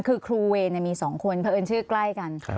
คือครูเวนมีสองคนเผอิญชื่อกล้ายกัน